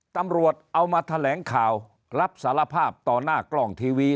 ตำรวจเอามาแถลงข่าวรับสารภาพต่อหน้ากล้องทีวี